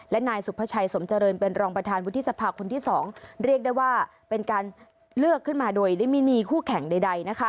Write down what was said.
และนายสุภาชัยสมเจริญเป็นรองประธานวุฒิสภาคนที่๒เรียกได้ว่าเป็นการเลือกขึ้นมาโดยได้ไม่มีคู่แข่งใดนะคะ